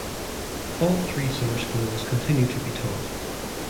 All three summer schools continue to be taught.